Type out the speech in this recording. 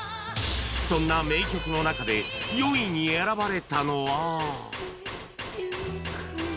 そんな名曲の中で４位に選ばれたのは